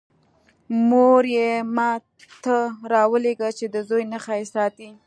مور یې ما ته راولېږه چې د زوی نښه یې ساتی.